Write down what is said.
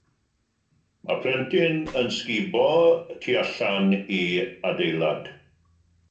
Mae plentyn yn ysgubo y tu allan i adeilad.